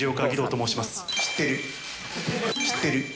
知ってる。